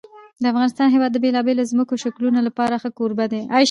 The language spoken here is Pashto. د افغانستان هېواد د بېلابېلو ځمکنیو شکلونو لپاره ښه کوربه دی.